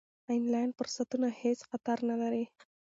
آنلاین فرصتونه هېڅ خطر نه لري.